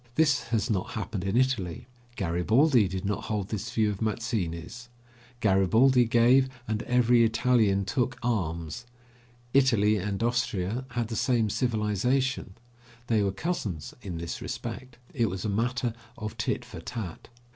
This has not happened in Italy. Garibaldi did not hold this view of Mazzini's. Garibaldi gave, and every Italian took arms. Italy and Austria had the same civilization; they were cousins in this respect. It was a matter of tit for tat.